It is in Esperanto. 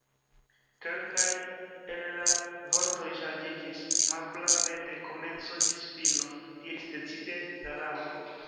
"Kelkaj el la vortoj ŝanĝiĝis." "Malprave, de komenco ĝis fino," diris decide la Raŭpo.